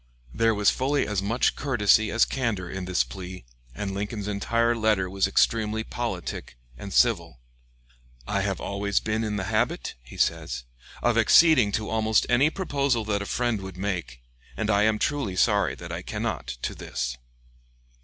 There was fully as much courtesy as candor in this plea, and Lincoln's entire letter was extremely politic and civil. "I have always been in the habit," he says, "of acceding to almost any proposal that a friend would make, and I am truly sorry that I cannot to this."